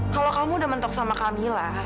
kalau kamu udah mentok sama kamilah